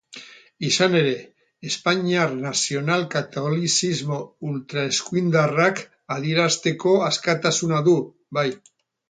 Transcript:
Izan ere, espainiar nazional-katolizismo ultraeskuindarrak adierazteko askatasuna du, bai.